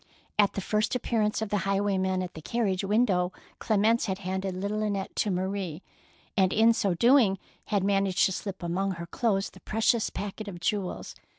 At the first appearance of the high waymen at the carriage window, Clem ence had handed little Annette to Marie, and in so doing had managed to slip among her clothes the precious packet of jewels.